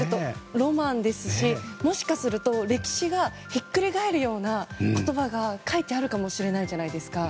ロマンですしもしかすると歴史がひっくり返るような言葉が書いてあるかもしれないじゃないですか。